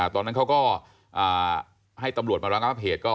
ตอนนั้นเขาก็ให้ตำรวจมาระงับเหตุ